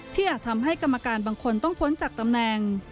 อาจทำให้กรรมการบางคนต้องพ้นจากตำแหน่ง